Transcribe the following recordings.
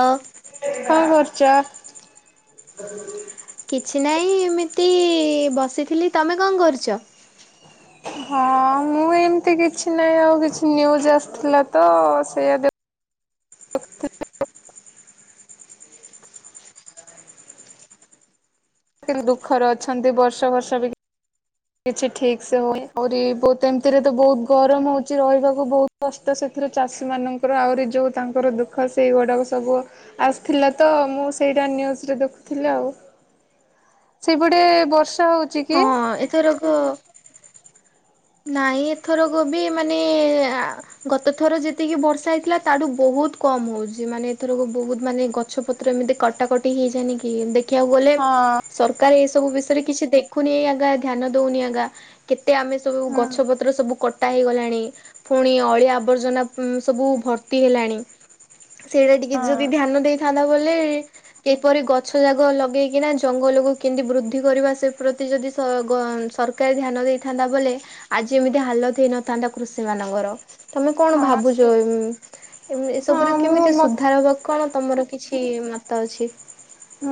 ଆଉ କଣ କରଛ? କିଛି ନାହିଁ ଏମିତି ବସିଥିଲି। ତମେ କଣ କରୁଛ? ହଁ ମୁଁ ଏମିତି କିଛି ନାହିଁ ଆଉ କିଛି ନ୍ୟୁଜ୍ ଆସିଥିଲା ତ ସେଇଆ ଦେଖୁଥିଲି। ନ୍ତୁ ଦୁଃଖରେ ଅଛନ୍ତି ବର୍ଷ ବର୍ଷ ବି କିଛି ଠିକ ସେ ହଉଏ ଆହୁରି ବହୁତ ଏମିତିରେ ତ ବହୁତ ଗରମ ହଉଛି, ରହିବାକୁ ବହୁତ କଷ୍ଟ ସେଥି ଚାଷୀ ମଙ୍କର ଆହୁରି ଯେଉଁ ତାଙ୍କର ଦୁଃଖ ସେଇଗୁଡ଼ାକ ସବୁ ଆସିଥିଲା, ତ ମୁଁ ସେଇ ନ୍ୟୁଜରେ ଦେଖୁଥିଲେ ଆଉ। ହ୍ ସେପଟେ ବର୍ଷା ହଉଛି କି? ଏଥରକ ହଁ। ନାଇଁ ଏଥର ଗୋବି ମାନେ ଗତ ଥର ଯେତିକି ବର୍ଷା ହେଇଥିଲା ତାଠୁ ବହୁତ ବହୁତ କମ ହଉଛି ମାନେ ଏଥରକୁ ବହୁତ ମାନେ ଗଛ ପତ୍ର ଏମିତି କଟାକଟି ହେଇଯାଇନିକି ଦେଖିବାକୁ ଗଲେ ହଁ ସରକାର ଏ ସବୁ ବିଷୟ କିଛି ଦେଖୁନି ଆଗା ଧ୍ୟାନ ଦଉନି ଆଗା କେତେ ଆମେ ସବୁ ହୁଁ ଗଛ ପତ୍ର ସବୁ କଟା କଟା ହେଇଗଲାଣି ପୁଣି ଅଳିଆବର୍ଜନା ସବୁ ଭର୍ତ୍ତି ହେଲାଣି। ସେଇଟା ଟିକେ ଯଦି ହଁ ଧ୍ୟାନ ଦେଇଥାନ୍ତା ବୋଲେ କିପରି ଗଛ ଜାଗ ଲଗେଇକିନା ଜଙ୍ଗଲକୁ କେମତି ବୃଦ୍ଧି କରିବା ସେ ପ୍ରତି ଯଦି ସ ଗ ସରକାର ଧ୍ୟାନ ଦେଇଥାନ୍ତା ବୋଲେ ଆଜି ଏମିତି ହାଲତ ହେଇନଥାନ୍ତା, କୃଷି ମାନଙ୍କର ତମେ କଣ ହଁ ସେ ଭାବୁଛ? ହଁ ଏସବୁରେ ମୁଁ କେମିତି ମତେ ସୁଧାର ହବ କଣ ତମର କିଛି ମତା ଅଛି?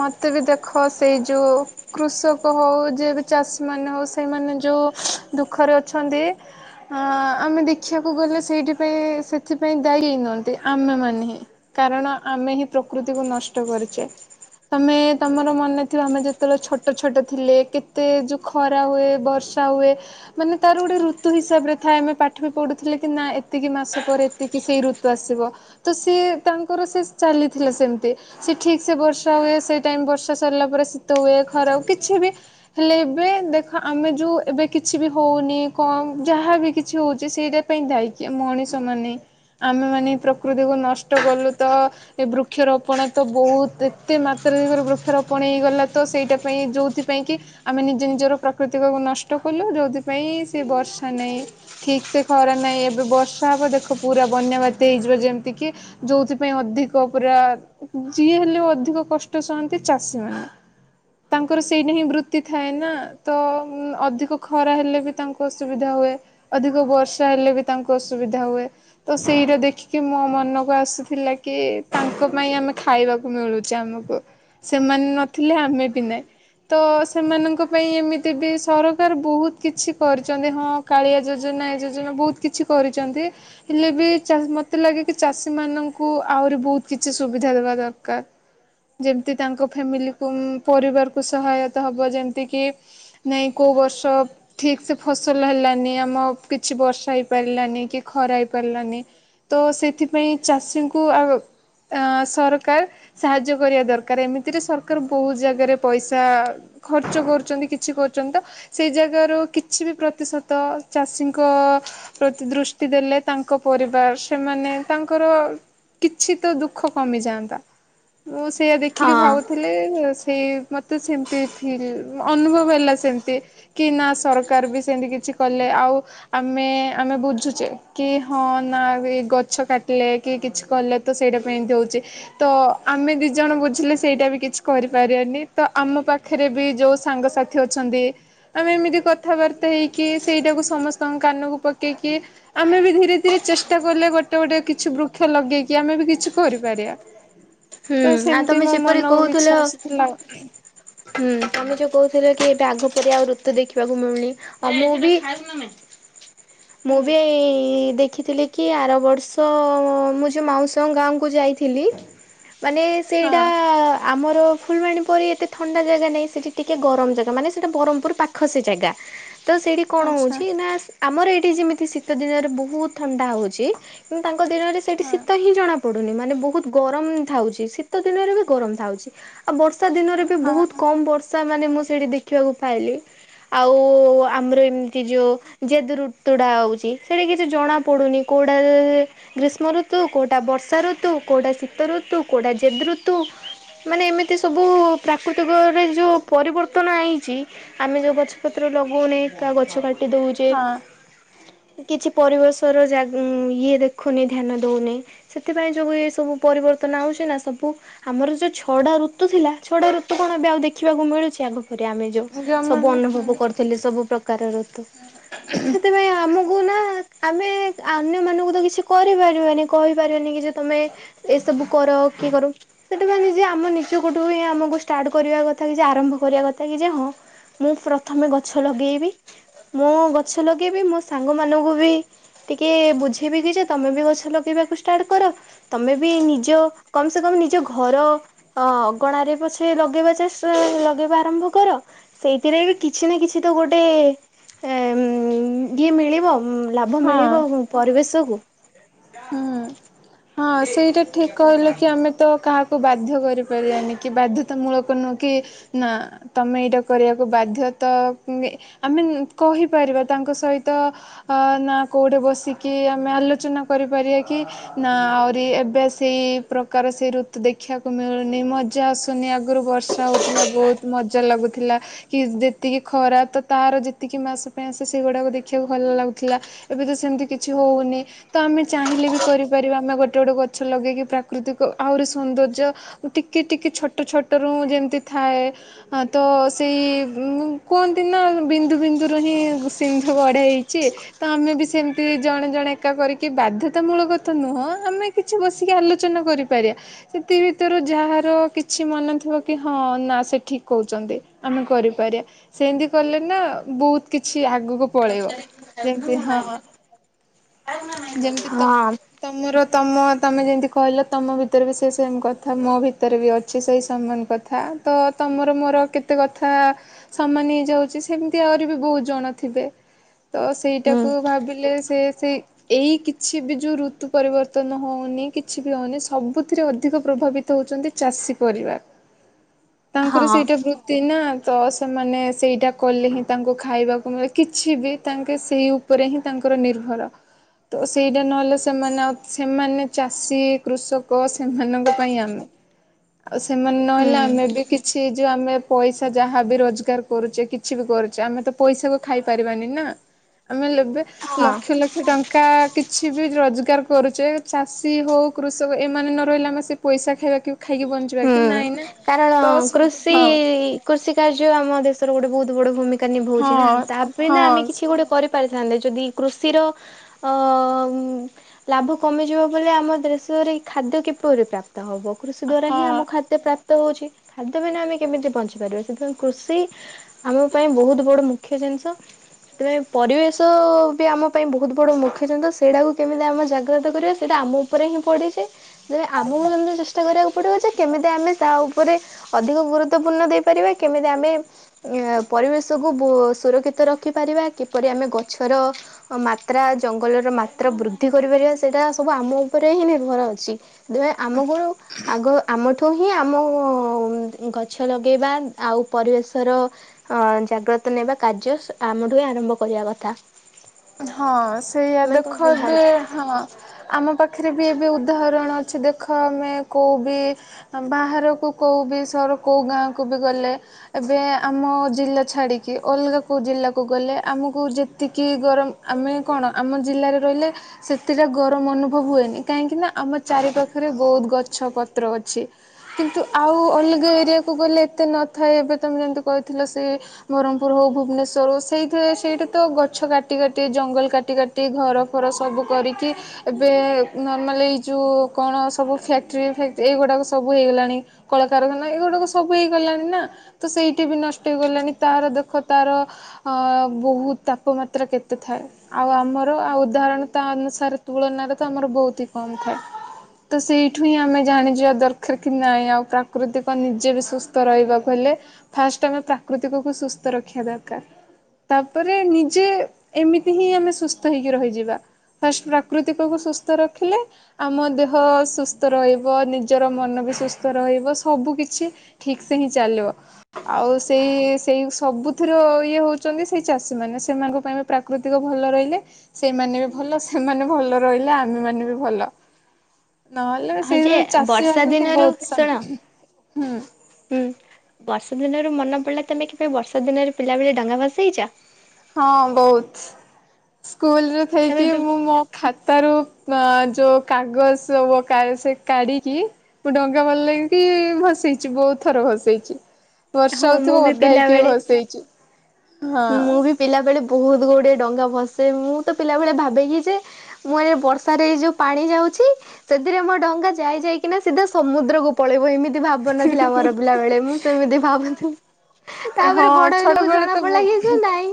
ମତେ ବି ଦେଖ ସେଇ ଯୋଉ କୃଷକ ହଉ ଯ ବି ଚାଷୀ ମାନେ ହଉ ସେଇମାନେ ଯଉ ଯଉ ଦୁଃଖରେ ଅଛନ୍ତି ଅ ଆମେ ଦେଖିବାକୁଗଲେ ସେଇଥିପାଇଁ ସେଥିପାଇଁ ଦାୟୀ ନୁହନ୍ତି ଆମେ ମାନେ ହିଁ କାରଣ ଆମେ ହିଁ ପ୍ରକୃତିକୁ ନଷ୍ଟ କରିଚେ। ତମେ ତମର ମନେ ଥିବା ଆମେ ଯେତେବେଳେ ଛୋଟ ଛୋଟ ଥିଲେ କେତେ ଯୋଉ ଖରା ହୁଏ ବର୍ଷା ହୁଏ, ମାନେ ତାର ଗୋଟେ ଋତୁ ହିସାବରେ ଥାଏ ଆମେ ପାଠ ବି ପଢୁଥିଲେ କି ନା ଏତିକି ମାସ ପରେ ଏତିକି ସେଇ ଋତୁ ଆସିବ ତ ସି ତାଙ୍କର ସେ ଚାଲିଥିଲା ସେମିତି ସେ ଠିକ ସେ ବର୍ଷ ହୁଏ, ସେଇ ଟାଇମ୍ ବର୍ଷା ସରିଲା ପରେ ସିତ ହୁଏ, ଖରା ହୁଏ କିଛି ବି ହେଲେ ଏବେ ଦେଖ ଆମେ ଯଉ ଏବେ କିଛି ବି ହଉନି, କମ ଯାହାବ କିଛି ହଉଚି ସେଇଟା ପାଇଁ ଦାୟୀ କିଏ ମଣିଷ ମାନେ। ଆମେ ମାନେ ପ୍ରକୃତିକୁୁ ନଷ୍ଟ କଲୁ ତ ଏ ବୃକ୍ଷରୋପଣ ତ ବହୁତ ଏତେ ମାତ୍ର ରେ ବୃକ୍ଷ ରୋପଣ ହେଇଗଲା ତ ସେଇଟା ପାଇଁ ଯୋଉଥିପାଇଁ କି ଆମେ ନିଜ ନିଜର ପ୍ରକୃତିକୁ ନଷ୍ଟ କଲୁ ଯୋଉଥିପାଇଁ ସେ ବର୍ଷା ନାହିଁ ଠିକ ସେ ଖରା ନାହିଁ ଏବେ ବର୍ଷା ହବ ଦେଖ ପୁରା ବନ୍ୟା ବାତ୍ୟା ହେଇଯିବ ଯେମିତି କି ଯୋଉଥିପାଇଁ ଅଧିକ ପୁରା ଯିଏ ହେଲେ ଅଧିକ କଷ୍ଟ ସହନ୍ତି ଚାଷୀମାନେ। ତାଙ୍କର ସେଇଟା ହିଁ ବୃତ୍ତି ଥାଏ ନା ତ ଅଧିକ ଖରା ହେଲେ ବି ତାଙ୍କୁ ଅସୁବିଧା ହ ହୁଏ ଅଧିକ ବର୍ଷା ହେଲେ ବି ତାଙ୍କୁ ଅସୁବିଧା ହୁଏ, ତ ସେଇଟା ଦେଖିକି ମୋ ମନକୁ ଆସ ଥିଲା କି ତାଙ୍କ ପାଇଁ ଆମେ ଖାଇବାକୁ ମିଳୁଚି ଆମକୁ। ସେମାନେ ନଥିଲେ ଆମେ ବି ନାହିଁ। ତ ସେମାନଙ୍କ ପାଇଁ ଏମିତି ବି ସରକାର ବହୁତ କିଛି କରିଚନ୍ତି ହଁ କାଳିଆ ଯୋଜ ନା ବହୁତ କିଛି କରିଚନ୍ତି ହେଲେ ବି ଚା ମତେ ଲାଗେ କି ଚାଷୀ ମାନଙ୍କୁ ଆହୁରି ବହୁତ କିଛି ସୁବିଧା ଦେବା ଦରକାର। [inaudible] ଯେମିତି ତାଙ୍କ ଫ୍ୟାମିଲି ପାଇଁ ପରିବାର କ ସହାୟତା ହବ ଯେମତି କି ନାଇଁ କୋଉ ବର୍ଷ ଠିକ ସେ ଫସଲ ହେଲାନି ଆମ କିଛି ବର୍ଷା ହେଇପାରିଲାନି କି ଖରା ହେଇପାରିଲାନି ତ ସେଥିପାଇଁ ଚାଷୀଙ୍କୁ ଆଉ ସରକାର ସାହାଯ୍ୟ କ କରିବା ଦରକାର। ଏମିତିରେ ସରକାର ବହୁତ ଜାଗାରେ ପଇସା ଖର୍ଚ୍ଚ କରୁଚନ୍ତି କିଛି କରୁଚନ୍ତି ତ ସେ ଜାଗାରୁ କିଛି ବି ପ୍ରତିଶତ ଚାଷୀଙ୍କ ପ୍ରତି ଦୃଷ୍ଟି ଦେଲେ ତାଙ୍କ ପରିବାର ସେମାନେ ତାଙ୍କର କିଛି ତ ଦୁଃଖ କମିଯାନ୍ତା। ମୁଁ ସେଇଆ ହଁ ଦେଖିକି ଭାବୁଥିଲି ମତେ ସେମତି ଫିଲ୍ ଅନୁଭବ ହେଲା ସେମତି, କି ନା ସରକାର ବି ସେମିତି କିଛି କଲେ ଆଉ ଆମେ ଆମେ ବୁଝୁଚେ କି ହଁ ନା ଗଛ କାଟିଲେ କି କିଛି କଲେ ତ ସେଇଟା ପାଇଁ ଏମିତି ହଉଚି ତ ଆମେ ଦି ଜଣ ବୁଝିଲେ ସେଇଟା ବି କିଛି କରିପାରିବାନି ତ ଆମ ପାଖରେ ବି ଯୋଉ ସାଙ୍ଗସାଥି ଅଛନ୍ତି ନ୍ତି। ଆମେ ଏମିତି କଥାବାର୍ତ୍ତା ହେଇକି ସେଇଟାକୁ ସମସ୍ତଙ୍କ କାନକୁ ପକେଇକି ଆମେ ବି ଧୀରେ ଧୀରେ ଚେଷ୍ଟା କଲେ ଗୋଟେ ଗୋଟେ କିଛି ବୃକ୍ଷ ଲଗେଇକି ଆମେ ବି କିଛି କରିପାରିବା। ହୁଁ ତ ଆଉ ସେମିତି ତମେ ମୋ ଯେପରି ମନକୁ କହୁଥିଲ କିଛି ଆସିଥିଲା। ହୁଁ ତମେ ଯୋଉ କହୁଥିଲ କି ଏଟା ଆଗ ଆଉ ଋତୁ ଦେଖିବାକୁ ମିଳୁନି ଆଉ ମୁଁ ବି ମୁଁ ବି ଏଇ ଦେଖିଥିଲି କି ଆର ବର୍ଷ ମୁଁ ଯଉ ମାଉସୀ ଗାଁକୁ ଯ ଯାଇଥିଲି, ମାନେ ସେଇଟା ହଁ ଆମର ଫୁଲବାଣୀ ପରି ଏତେ ଥଣ୍ଡା ଜାଗା ନାହିଁ ସେଠି ଟିକେ ଗରମ ଜାଗା ମାନେ ସେଟା ବରହମପୁର ପାଖ ସେେ ଜାଗା ତ ସେଇଠି କଣ ଆଚ୍ଛା ହଉଚି ନା ଆମର ଏଇଠି ଯେମିତି ଶୀତ ଦିନରେ ବହୁତ ଥଣ୍ଡା ହଉଚି କିନ୍ତୁ ତାଙ୍କ ତ ଦିନରେ ସେଇଠି ହଁ ଶୀତ ହିଁ ଜଣାପଡ଼ୁନି ମାନେ ବହୁତ ଗରମ ଥାଉଚି, ଶୀତ ଦିନରେ ବି ଗରମ ଥାଉଚି। ଆଉ ବର୍ଷା ଦିନ ରେ ବି ବହୁତ୍ ହଁ କମ ବର୍ଷା ତାମାନେ ମୁଁ ସେଇଠି ଦେଖିବାକୁ ପାଇଲି ଆଉ ଆମର ଏମିତି ଯୋଉ ଜେ ରୁତୁଟା ହଉଚି ସେଠି କିଛି ଜଣା ପଡୁନି କ ଉଟା ଗ୍ରୀଷ୍ମ ଋତୁ କଉଟା ବର୍ଷା ଋତୁ କଉଟା ଶୀତ ଋତୁ ତୁ କୋଡ଼ା ଯେଦ ଋତୁ [inaudible] ଗଛ ଲହଉନାଇ ଗଛ କାଟି ଦେଉଚେ। ହଁ କିଛି ପରିବେଶର ଯା ଇଏ ଦେଖୁନି, ଧ୍ୟାନ ଦଉନି ସେଥିପାଇଁ ଯଉ ଭଳିଆ ଏ ସବୁ ପରିବର୍ତ୍ ତ ନାଉଛି ନା ସବୁ ଆମର ଯେଉଁ ଛଅ ଟା ଋତୁ ଥିଲା ଛଅ ଟା ଋତୁ କଣ ବି ଆଉ ଦେଖିବାକୁ ମିଳୁଛି ଆଗ ଆମେ ଯୋଉ ସବୁ ଜମା ଅନୁଭବ କରୁଥିଲେ ସବୁ ପ୍ରକାର ଋତୁ ସେଥିପାଇଁ ଆମ ମୁଁ ନା ଆମେ ଅନ୍ୟ ମାନଙ୍କୁ ତ କିଛି କରିପାରିବାନି କହିପାରିବାନି କି ଯେ ତମେ ଏ ସବୁ କର କିଏ କର ସେଟା ମାନେ ଆମ ନିଜ କଠୁ ହିଁ ଆମକୁ ଷ୍ଟାର୍ଟ କରିବା କଥା କିଛି ଆରମ୍ଭ କରିବା କଥା କିଯେ ହଁ ମୁଁ ପ୍ରଥମେ ଗଛ ଲଗେଇବି ମୁଁ ଗଛ ଲଗେଇବି ମୋ ସାଙ୍ଗ ମାନଙ୍କୁ ବି ଟିକେ ବୁଝେଇବି କି ଯେ ତମେ ବି ଗଛ ଲଗେଇବାକୁ ଷ୍ଟାର୍ଟ କର ତମେ ବି ନି ନିଜ କମ୍ ସେ କମ୍ ନିଜ ଘର ଅଗଣାରେ ପଛେ ଲଗେଇବା ଚାଷ ଲଗେଇବା ଆରମ୍ଭ କର ସେଇଥିରେ ବି କିଛି ନା କିଛି ତ ଗୋଟେ ଏ ଉଁ ଇଏ ମିଳିବ ଉଁ ଲାଭ ହଁ ମିଳିବ ପରିବେଶକୁ? ହଁ ସେଇଟା ଠିକ୍‌ କହିଲ କି ଆମେ ତ କାହାକୁ କୁ ବାଧ୍ୟ କରିପାରିବାନି କି ବାଧ୍ୟତାମୂଳକ ନୁହେଁ କି ନା ତମେ ଏଇଟା କରିବାକୁ ବାଧ୍ୟ ତ ଆମେ କହିପାରିବା ତାଙ୍କ ସହିତ ନା କୋଉଠି ବସିକି କି ଆମେ ଆଲୋଚନା କରିପାରିବା କି ନା ଆହୁରି ଏବେ ସେଇ ପ୍ରକାର ସେଇ ଋତୁ ଦେଖିବାକୁ ମିଳୁନି ମ ଯାହା ଶୁନି ଆଗରୁ ବର୍ଷା ହଉଥିଲା ବହୁତ ମଜା ଲାଗୁଥିଲା। ଥିଲା କି ଯେତିକି ଖରା ତ ତାର ଯେତିକି ମାସ ପାଇଁ ଆସେ ସେଗୁଡ଼ାକ ଦେଖିବାକୁ ଭଲ ଲାଗୁଥିଲା। ଏବେ ତ ସେମିତି କିଛି ହଉନି। ତ ଆମେ ଚାହିଁଲେ ବି କରିପାରିବା ଆମେ ଗୋଟେ ଗୋଟେ ଗଛ ଲଗେଇକି ପ୍ରାକୃତିକ ଆହୁରି ସୌନ୍ଦର୍ଯ୍ୟ ଟି କି ଟିକେ ଛୋଟ ଛୋଟରୁ ଯେମିତି ଥାଏ ତ ସେଇ ଉଁ କୁହନ୍ତି ନା ବିନ୍ଦୁ ବିନ୍ଦୁରୁ ହିଁ ସିନ୍ଧୁ ଗଢା ହେଇଛି ତ ଆମେ ବି ସେମିତି ଜଣେ ଜଣେ ଏକା କରି କି ବାଧ୍ୟତାମୂଳକ କଥା ନୁହଁ ଆମେ କିଛି ବସିକି ଆଲୋଚନା କରିପାରିବା ସେଥି ଭିତରେ ଯାହା ର କିଛି ମନେ ଥିବ କି ହଁ ନା ସେ ଠିକ କହୁଛନ୍ତି। ଆମେ କରିପାରିବା ସେମ୍ ତି କଲେ ନା ବହୁତ କିଛି ଆଗକୁ ପଳେଇବ ଯେମିତି ହଁ। ଯେମିତି ତ ହଁ ତମର ତମ ତମେ ଯେମିତି କହିଲ ତମ ଭିତରେ ବି ସେ ସେମ୍ କଥା ମୋ ଭିତରେ ବି ଅଛି ସେଇ ସମାନ କଥା ତ ତମର ମୋର କେତେ କଥା ସମାନ ହେଇଯାଉଛି ସେମିତି ଆହୁରି ବି ବହୁତ ଜଣ ଥିବେ। ତ ହୁଁ ସେଇଟାକୁ ଭାବିଲେ ସେ ସେଇ ଏଇ କିଛି ବି ଯୋଉ ଋତୁ ପରିବର୍ତ୍ତନ ହଉନି କିଛି ବି ହଉନି ସବୁଥିରେ ଅଧିକ ପ୍ରଭାବିତ ହଉଛି। ଚନ୍ତି ଚାଷୀ ପରିବା। ତାଙ୍କର ହଁ ସେଇଟା ବୃତ୍ତି ନା ତ ସେମାନେ ସେଇଟା କଲେ ହିଁ ତାଙ୍କୁ ଖାଇବାକୁ ମିଳେ କିଛି ବି ତାଙ୍କେ ସେଇ ଉପରେ ହିଁ ତାଙ୍କ ଉପରେ ନିର୍ଭର। ତ ସେଇଟା ନହେଲେ ସେମାନେ ଆଉ ସେମାନେ ଚାଷୀ କୃଷକ ସେମାନଙ୍କ ପାଇଁ ଆମେ ଆଉ ସେମାନେ ହୁଁ ନହେଲେ ଆମେ ବି କିଛି ଯୋଉ ଆମେ ପଇସା ଯାହାବି ରୋଜଗାର କରୁଛେ କିଛି ବି କ କରୁଚେ ଆମେତ ପଇସା କୁ ଖାଇପାରିବାନି ନା ଆମେ ଲେବେ ହଁ। ଲକ୍ଷ୍ୟ ଲକ୍ଷ୍ୟ ଟ ଆ କିଛି ବି ରୋଜଗାର କରୁଛେ ଚାଷୀ ହଉ କୃଷକ ଏମାନେ ନ ରହିଲେ ଆମେ ସେ ପଇସା ଖାଇବା କି ଖାଇକି ବଞ୍ଚିବା କି? ହୁଁ। ନାଇଁ ନା କାରଣ ତ ସବୁ ହଁ କୃଷିଇ କୃଷି କାର୍ଯ୍ୟ ଆମ ଦେଶ ତୋର ଗୋଟେ ବହୁତ ବଡ ଭୂମିକା ନିଭାଉଛି ନା ହଁ ତାବିନା ଆମେ ହଁ କିଛି ଗୋଟେ କରି ପାରିଥାନ୍ତେ ଯଦି କୃଷିର ଅ ଅ ଅ ଉଁ ଉଁ ଲାଭ କମିଯିବ ବୋଲି ଆମ ଦେଶ ପରେ ଖାଦ୍ୟ କିପରି ପ୍ରାପ୍ତ ହବ କୃଷି ଦ୍ଵାରା ହିଁ ଆମ ହଁ ଖାଦ୍ୟ ପ୍ରାପ୍ତ ପ୍ତ ହଉଛି ଖାଦ୍ୟ ବିନା ଆମେ କେମିତି ବଞ୍ଚି ପାରିବା ସେଥିପାଇଁ କୃଷି ଆମ ପାଇଁ ବହୁତ ବଡ଼ ମୁଖ୍ୟ ଯେ ତିନିଶହ। ସେଥିପାଇଁ ପରିବେଶ ବି ଆମ ପାଇଁ ବହୁତ ବଡ ମୁଖ୍ୟଜିନିଷ ସେଇଟାକୁ କେମିତି ଆମେ ଜାଗ୍ରତ କରିବା ସେଇଟା ଆମ ଉପରେ ହିଁ ପଡିଛି ତବେ ଆମକୁ କେମିତି ଚେଷ୍ଟା କରିବାକୁ ପଡିବ କେମିତି ଆମେ ତା ଉପରେ ଅଧିକ ଗୁରୁତ୍ୱପୂର୍ଣ୍ଣ ଦେଇପାରିବା କେମିତି ଆମେ ଉଁ ପରିବେଶକୁ ବୋସ୍‌ ସୁରକ୍ଷିତ ରଖିପାରିବା କିପରି ଆମେ ଗଛର ମାତ୍ରା ଜଙ୍ଗଲର ମାତ୍ରା ବୃଦ୍ଧି କରିବା। ସେଟା ସବୁ ଆମ ଉପରେ ହିଁ ନିର୍ଭର ଅଛି ଆମକୁ ଆଗ ଆମ ହିଁ ଆମ ଗଛ ଲଗେଇବା ଆଉ ପରିବେଶର ଜାଗ୍ରତ ନ କାର୍ଯ୍ୟ ଆମଠୁ ହ ଆରମ୍ଭ କରିବା କଥା। ହଁ ସେଇଆା ତମେ କଣ ଦେଖ ଦୁେ ଭାବୁଛ? ହଁ ଆମ ପାଖ- ପାଖରେ ବି ଏବେ ଉଦାହରଣ ଅଛି ଦେଖ ଆମେ କୋଉ ବିି ବାହାରକୁ କଉ ବି ସର କୋଉ ଗାଁ କୁ ବି ଗଲେ ଏବେ ଆମ ଜିଲ୍ଲା ଛାଡିକି ଅଲଗା କୋଉ ଜିଲ୍ଲା ଗଲେ ଆମକୁ ଯେତିକି ଗରମ ଆମେ କଣ ଆମ ଜିଲ୍ଲାରେ ରହିଲେ ସେତିଟା ଗରମ ଅନୁଭବ ହୁଏନି କାହିଁକି ନା ଆମ ଚାରି ପାଖ ପାଖରେ ବହୁତ ଗଛ ପତ୍ର ଅଛି କିନ୍ତୁ ଆଉ ଅଲଗା ଏରିଆକୁ ଗଲେ ଏତେ ନଥାଏ। ତମେ ଯେମିତି କହିଥିଲ ସେ ବ୍ରହ୍ମପୁର ହଉ ଭୁବନେଶ୍ଵର ହଉ ସେଇଥି ସେଇଠା ତ ଗଛ କା କାଟି କାଟି ଜଙ୍ଗଲ କାଟି କାଟି ଘର ଫର ସବୁ କରିକି ଏବେ ନର୍ମାଲି ଏଇ ଯେଉଁ କଣ ସବୁ ଫ୍ୟାକ୍ଟ୍ରି ଫକ୍ଟି ଏଇଗୁଡାକ ସବୁ ହେଇଗଲାଣି କଳକାରଖାନା ଏଗୁଡାକ ସବୁ ହେଇଗଲାଣି ନା ତ ସେଇଠି ବି ନଷ୍ଟ ହେଇଗଲାଣି ତାର ଦେଖ ତାର ଅ ବହୁତ ତାପମାତ୍ରା ପତ୍ର କେତେ ଥାଏ ଆଉ ଆମର ଆଉ ଉଦାହରଣ ତା ଅନୁସାରେ ତୁଳନାରେ ତ ଆମର ବହୁତ ହିଁ କମ ଥାଏ। ତ ସେଇଠୁ ହିଁ ଆମେ ଜାଣିଯିବା ଦରକାର କି ନାଇଁ ଆଉ ପ୍ରାକୃତିକ ନିଜେ ବି ସୁସ୍ଥ ରହିବାକୁ ହେଲେ [unintelligible] ପ୍ରାକୃତିକକୁ ସୁସ୍ଥ ରଖିବା ଦରକାର ତାପରେ ନିଜେ ଏମିତି ହିଁ ଆମେ ସୁସ୍ଥ ହେଇକି ରହିଯିବା ଫାଷ୍ଟ ପ୍ରାକୃତିକକୁ ସୁସ୍ଥ ରଖିଲେ ଆମ ଦେହ ସୁସ୍ଥ ରହିବ ନିଜର ମନ ବି ସୁସ୍ଥ ରହିବ ସବୁ କିିଛି ଠିକ ସେ ହିଁ ଚାଲି ଆଉ ସେଇ ସେଇ ସବୁଥିର ଇଏ ହଉଛନ୍ତି ସେଇ ଚାଷୀ ମାନେ ସେମାନଙ୍କ ପାଇଁ ପ୍ରାକୃତିକ ଭଲ ରହିଲେ ସେମାନେ ବି ଭଲ ସେମାନେ ଭଲ ରହିଲେ ଆମେମାନୋନ ବି ଭଲ। ନହେଲେ ହଁ ଯେ ସେଇ ଚାଷୀ ବର୍ଷା ମାନଙ୍କୁ ଦିନରୁ ବହୁତ ସାନ ଶୁଣ ହୁଁ ହୁଁ ବର୍ଷା ଦିନରୁ ମନେ ପଡିଲା ତମେ କିବେ ବର୍ଷା ଦିନରେ ପିଲା ବଳେ ଡଙ୍ଗା ଭସେଇଛ? ହଁ ବହୁତ ସ୍କୁଲରେ ତମେ ଥଇକି ମୁଁ ମୋ ଖାତା ରୁ ଅ ଯୋଉ କାଗଜ ସେ କାଢିକି ମୁ ଡଙ୍ଗା ଭଲ ଲାଗକି ଭସ ହେଇଛି ବହୁତ ଥର ଭସେଇଛି ହଁ ବର୍ଷା ମୁଁ ହଉଥିବ ବି ଓ ଦା ହେଇକି ବି ପିଲାବେଳେ ଭସେଇ ଚି ମୁଁ ବି ପିଲାବେେଳେ ବହୁତ ଗୁଡ଼ିଏ ଡଙ୍ଗା ଭସେ ମୁଁ ତ ପିଲାବେଳେ ଭାବେ କିି ଯେ ମୁଁ ଏ ବର୍ଷାରେ ଏଇ ଯେଉ ପାଣି ଯାଉଛି ସେଥିରେ ମୋ ଡଙ୍ଗା ଯାଇ ଯାଇକିନା ସିଧା ସମୁଦ୍ରକୁ ପଳେଇବ ଏମିତି ଭାବ ନଥିଲା ମୋର ପିଲାବେଳେ ମୁଁ ସେମିତି ଭାବୁଥିଲି ତାପରେ ହଁ ବଡ ଛୋଟ ଲୋକ ବେଳେ ତ ଜଣା [unintelligible] ନାଇଁ।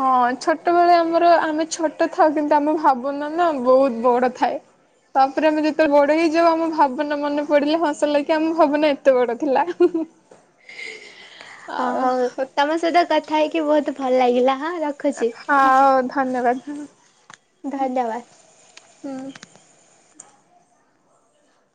ହଁ ଛୋଟ ବେଳେ ଆମର ଆମେ ଛୋଟ ଥାଉ କିନ୍ତୁ ଆମେ ଭାବୁନ ନା ବହୁତ ବହୁତ ବଡ ଥାଏ ତାପରେ ଆମେ ଯେତେବେଳେ ବଡ ହେଇଯାଉ ଆମ ଭାବନା ମନେ ପଡିଲେ ହସ ଲାଗ କିି ଆମ ଭାବନା ଏତେ ବଡ ଥିଲା- ହ ହଉ ଆଉ ତମ ସହିତ କଥା ହେଇକି ବହୁତ ଭଲ ଲାଗିଲା ହଁ ରଖୁଛି ହଉ ଧନ୍ୟବାଦ। ହୁଁ। ଧନ୍ୟବାଦ। [inaudible]